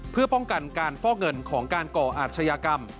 เพื่อป้องกันการฟอกเงินของการก่ออาชญากรรม